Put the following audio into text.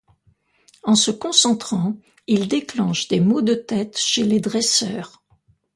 En se concentrant, il déclenche des maux de tête chez les dresseurs.